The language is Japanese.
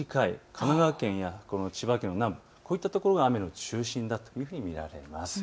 神奈川県や千葉県の南部、こういったところが雨の中心だと見られます。